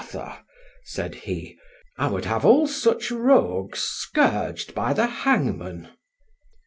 said he; "I would have all such rogues scourged by the Hangman!"